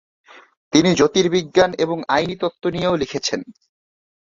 তিনি জ্যোতির্বিজ্ঞান এবং আইনী তত্ত্ব নিয়েও লিখেছেন।